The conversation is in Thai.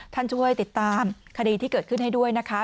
ช่วยติดตามคดีที่เกิดขึ้นให้ด้วยนะคะ